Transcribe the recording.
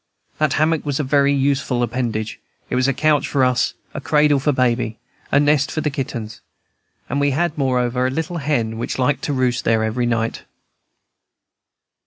That hammock was a very useful appendage; it was a couch for us, a cradle for Baby, a nest for the kittens; and we had, moreover, a little hen, which tried to roost there every night.